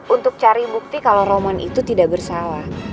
untuk cari bukti kalo romain itu tidak bersalah